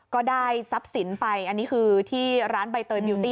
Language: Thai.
ก็ได้ทรัพย์สินไปอันนี้คือที่ร้านใบเตยมิวตี้